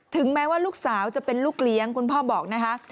แม้ว่าลูกสาวจะเป็นลูกเลี้ยงคุณพ่อบอกนะคะ